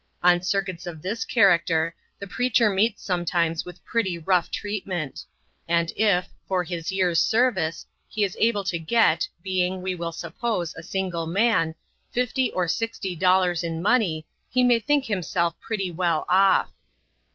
On circuits of this character, the preacher meets sometimes with pretty rough treatment; and if, for his year's service, he is able to get, being, we will suppose, a single man, fifty or sixty dollars in money, he may think himself pretty well off.